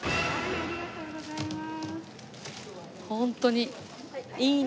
ありがとうございます。